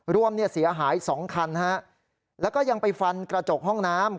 รวมเสียหาย๒คันแล้วก็ยังไปฟันกระจกห้องน้ำ